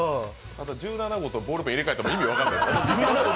あとは１７号とボールペン入れ替えたの、意味分からない。